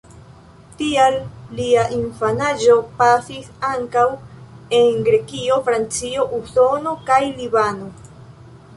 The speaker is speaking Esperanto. Tial lia infanaĝo pasis ankaŭ en Grekio, Francio, Usono kaj Libano.